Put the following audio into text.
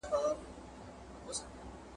د طبیب له نامردیه خپل پرهار ته غزل لیکم !.